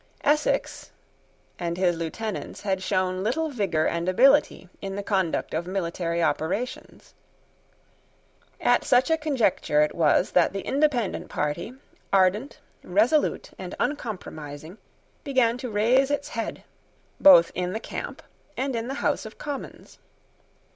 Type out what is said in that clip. Essex and his lieutenants had shown little vigour and ability in the conduct of military operations. At such a conjuncture it was that the Independent party, ardent, resolute, and uncompromising, began to raise its head, both in the camp and in the House of Commons.